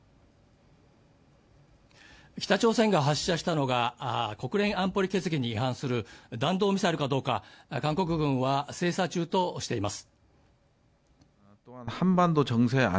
北朝鮮が発射したのが国連安保理決議に違反する弾道ミサイルかどうか韓国軍は精査中としています